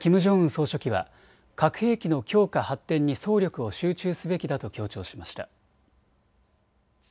総書記は核兵器の強化発展に総力を集中すべきだと強調しました。